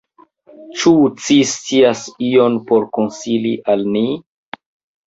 Ĉu ci scias ion por konsili al ni?